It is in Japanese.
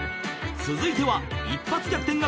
［続いては一発逆転が可能］